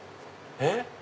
えっ？